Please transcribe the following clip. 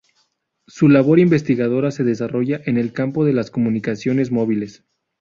Su labor investigadora se desarrolla en el campo de las comunicaciones móviles.